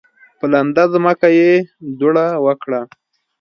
په لنده ځمکه یې دوړه وکړه.